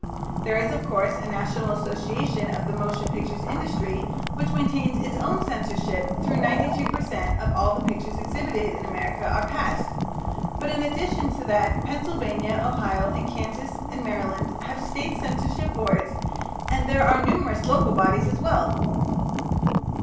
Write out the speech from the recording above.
There is, of course, a National Association of the Motion Picture Industry which maintains its own censorship through which 92 per cent of all the pictures exhibited in America are passed, but in addition to that Pennsylvania, Ohio, Kansas, and Maryland have State censorship boards, and there are numerous local bodies as well.